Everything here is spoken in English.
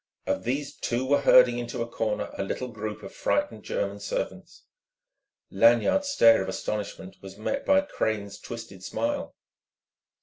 Of these two were herding into a corner a little group of frightened German servants. Lanyard's stare of astonishment was met by Crane's twisted smile.